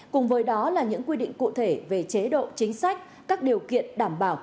cùng với đó là những quy định cụ thể về chế độ chính sách các điều kiện đảm bảo